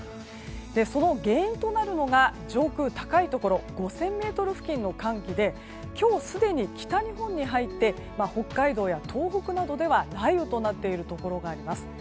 その原因となるのが上空、高いところ５０００ｍ付近の寒気で今日すでに北日本に入って北海道や東北などでは雷雨となっているところがあります。